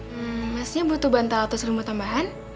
hmm maksudnya butuh bantal atau selumut tambahan